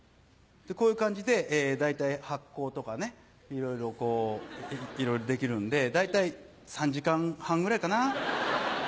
こういう感じで大体発酵とかいろいろできるんで大体３時間半ぐらいかな。